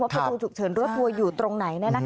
ประตูฉุกเฉินรถทัวร์อยู่ตรงไหน